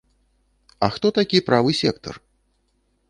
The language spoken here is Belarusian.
А хто такі правы сектар?